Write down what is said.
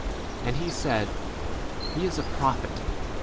And he said, 18 He is a prophet.